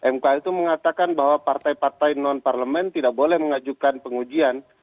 mk itu mengatakan bahwa partai partai non parlemen tidak boleh mengajukan pengujian